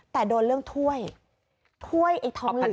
แต่โดนเรื่องถ้วยถ้วยไอ้ทองเหลือง